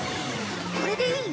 これでいい？